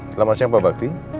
selamat siang pak bakti